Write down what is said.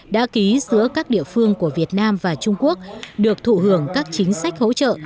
đã ký giữa các địa phương của việt nam và trung quốc được thụ hưởng các chính sách hỗ trợ